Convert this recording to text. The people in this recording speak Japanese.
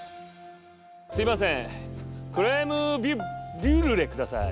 すいませんクレームビュブリュレください。